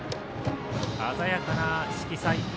鮮やかな色彩。